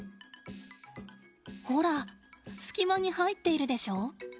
ほら隙間に入っているでしょ？